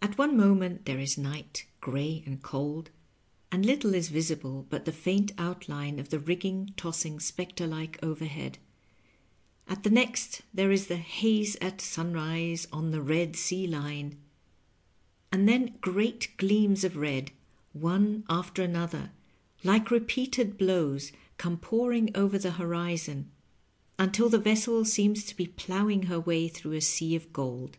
At one moment there is night, gray and cold, and little is visible but the faint outline of the rigging tossing specter like overhead ; at the next there is the '' haze at sunrise on the red sea line," and then great gleams of red, one after another, like repeated blows, come pouring over the horizon, until the vessel seems to be plowing her way through a sea of gold.